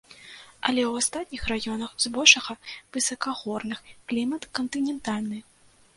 Але ў астатніх раёнах, збольшага высакагорных, клімат кантынентальны.